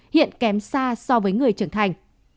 hiện kém xa so với người trưởng thành